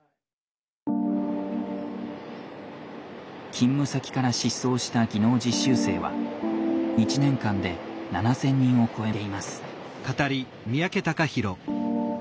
勤務先から失踪した技能実習生は一年間で７，０００人を超えています。